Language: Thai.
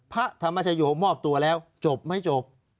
พระธรรมชโยคมอบตัวแล้วจบไม่จบ